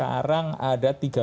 sekarang ada tiga belas